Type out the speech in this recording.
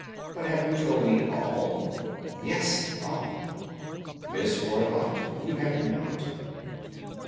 "But have you told me all?" "Yes, all." "Miss Roylott, you have not.